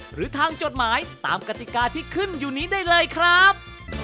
หรือทางจดหมายตามกติกาที่ขึ้นอยู่นี้ได้เลยครับ